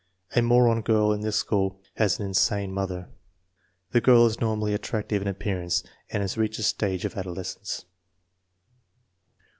A moron girl in this school has an insane mother. The girl is normally at tractive in appearance and has reached the stage of ado lescence.